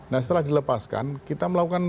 nah setelah dilepaskan kita melakukan